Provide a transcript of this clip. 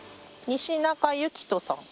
西中千人さん。